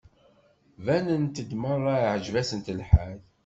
Banent-d merra iεǧeb-asent lḥal.